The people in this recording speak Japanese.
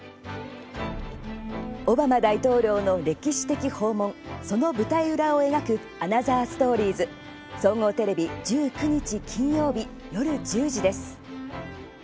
オバマ大統領の歴史的訪問その舞台裏を描く「アナザーストーリーズ」総合テレビ１９日、金曜日夜１０時です。